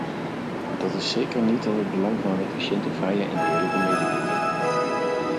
Dat is zeker niet in het belang van een efficiënte, vrije en eerlijke mededinging.